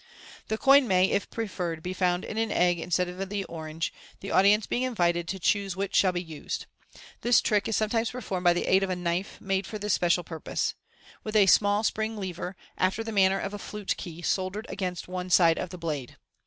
The coin may, if preferred, be found in an egg instead of thi orange, the audience being invited to choose which shall be used. This trick is sometimes performed by the aid of a knife made for this special purpose, with a small spring lever, after the manner of a flute key, soldered against one side of the blade.